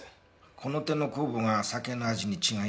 この手の酵母が酒の味に違いを出すんだよね。